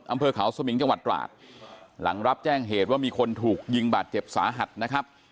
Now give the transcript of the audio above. อำเภอเขาสมิงจังหวัดตราดหลังรับแจ้งเหตุว่ามีคนถูกยิงบาดเจ็บสาหัสนะครับ